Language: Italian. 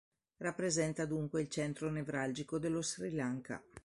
Rappresenta dunque il centro nevralgico dello Sri Lanka.